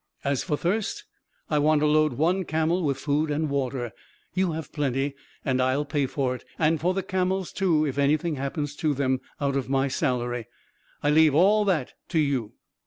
As for thirst, I want to load one camel with food and water. You have plenty — and 1*11 pay for it — and for the camels, too, if anything happens to them — out of my salary. I leave all that to you.